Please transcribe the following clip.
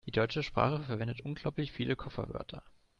Die deutsche Sprache verwendet unglaublich viele Kofferwörter.